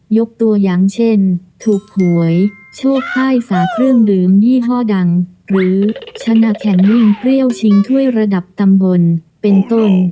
ยกตัวอย่างเช่นถูกหวยโชคใต้ฝาเครื่องดื่มยี่ห้อดังหรือชนะแข่งวิ่งเปรี้ยวชิงถ้วยระดับตำบลเป็นต้น